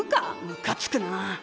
むかつくな。